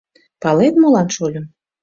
Палет, молан, шольым?